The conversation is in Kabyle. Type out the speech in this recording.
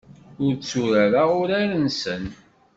Ur tturareɣ urar-nsen.